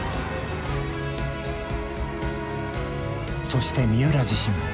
そして三浦自身も。